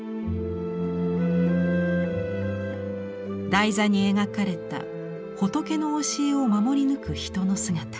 台座に描かれた仏の教えを守り抜く人の姿。